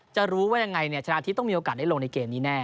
จะรู้ว่ายังไงชนะทิพย์ต้องมีโอกาสได้ลงในเกมนี้แน่